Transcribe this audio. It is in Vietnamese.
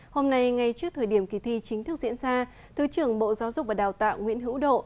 hôm nay ngay trước thời điểm kỳ thi chính thức diễn ra thứ trưởng bộ giáo dục và đào tạo nguyễn hữu độ